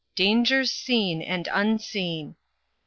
DANGERS SEEN AND UNSEEN.